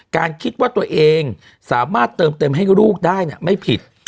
คิดว่าตัวเองสามารถเติมเต็มให้ลูกได้ไม่ผิด